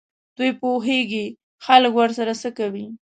دوی پوهېږي خلک ورسره څه کوي.